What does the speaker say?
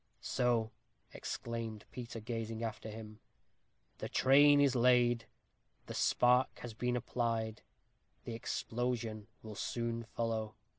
"So," exclaimed Peter, gazing after him, "the train is laid; the spark has been applied; the explosion will soon follow.